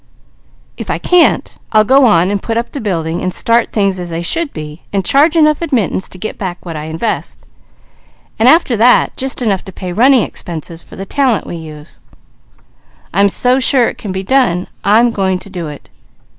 If I can't, I'll go on and put up the building and start things as I think they should be, and charge enough admittance to get back what I invest; and after that, just enough to pay running expenses and for the talent we use. I'm so sure it can be done, I'm going to do it.